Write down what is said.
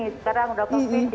sekarang udah covid sembilan belas